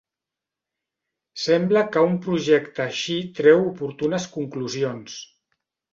Sembla que un projecte així treu oportunes conclusions